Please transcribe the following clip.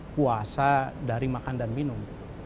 puasa dari makan dan minum